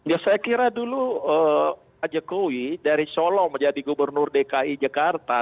ya saya kira dulu pak jokowi dari solo menjadi gubernur dki jakarta